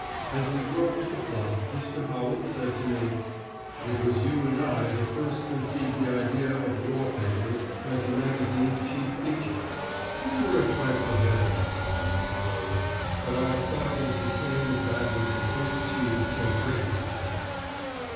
As we drove to the club, Mr. Howells said to me: "It was you and I who first conceived the idea of 'War Papers' as a magazine's chief feature. We were a trifle ahead of our time, I suppose, but our thought was the same as that which has since achieved so great a success."